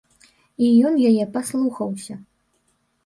І ён яе паслухаўся.